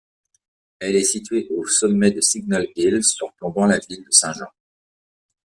Elle est située au sommet du Signal Hill surplombant la ville de Saint-Jean.